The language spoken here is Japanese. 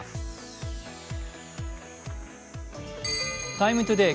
「ＴＩＭＥ，ＴＯＤＡＹ」